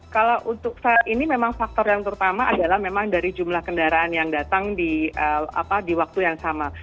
kalau untuk saat ini memang faktor yang terutama adalah memang dari jumlah kendaraan yang datang di waktu yang sama